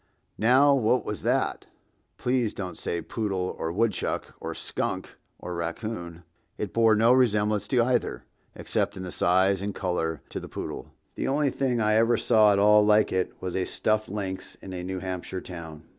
Now what was that? Please don't say poodle or woodchuck or skunk or raccoon. It bore no resemblance to either, except, in size and color, to the poodle. The only thing I ever saw at all like it was a stuffed lynx in a New Hampshire town.